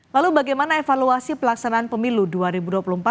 lalu bagaimana evaluasi pelaksanaan pemilu dua ribu dua puluh empat